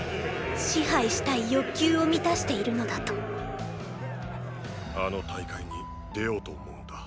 支配したい欲求を満たしているのだとあの大会に出ようと思うんだ。